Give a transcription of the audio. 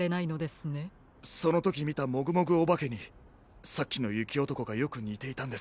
そのときみたもぐもぐおばけにさっきのゆきおとこがよくにていたんです。